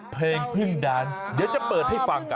เพลงพึ่งแดนซ์เดี๋ยวจะเปิดให้ฟังกัน